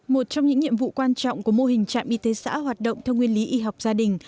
một trong những nhiệm vụ quan trọng của mô hình trạm y tế xã hoạt động theo nguyên lý y học gia đình